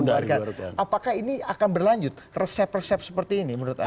apakah ini akan berlanjut resep resep seperti ini menurut anda